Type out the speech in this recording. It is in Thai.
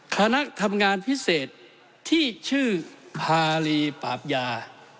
คณะทำงานพิเศษที่ชื่อพารีปราบยา